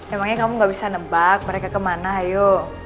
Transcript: emangnya kamu gak bisa nebak mereka kemana ayo